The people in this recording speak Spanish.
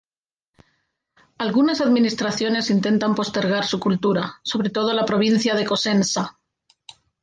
Algunas administraciones intentan postergar su cultura, sobre todo la provincia de Cosenza.